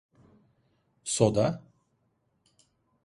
Soda?